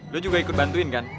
dia juga ikut bantuin kan